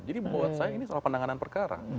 jadi buat saya ini soal penanganan perkara